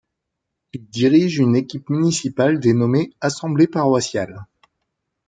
Ils dirigent une équipe municipale dénommée assemblée paroissiale.